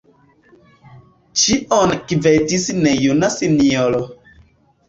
Ĉion gvidis nejuna sinjoro.